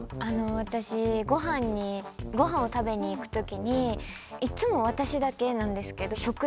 私ごはんを食べに行く時にいっつも私だけなんですけど。